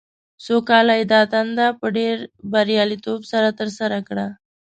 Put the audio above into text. څو کاله یې دا دنده په ډېر بریالیتوب سره ترسره کړه.